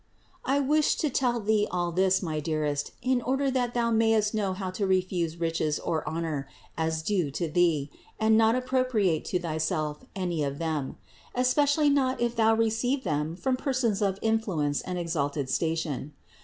582. I wished to tell thee all this, my dearest, in order that thou mayest know how to refuse riches or honor as due to thee, and not appropriate to thyself any of them ; especially not if thou receive them from persons of in fluence and exalted station.